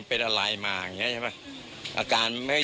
พี่สมหมายก็เลย